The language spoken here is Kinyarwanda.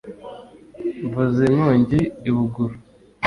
nvuze inkongi i buguru